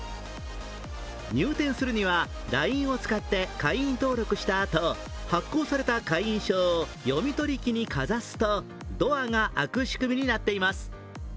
入店するにはＬＩＮＥを使って会員登録したあと発行された会員証を読み取り機にかざすとドアが開く仕組みになっています。